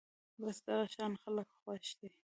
بس دغه شان خلک خوښ دي